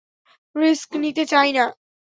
Risk নিতে চাই নি।